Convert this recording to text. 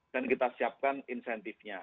dan kita siapkan insentifnya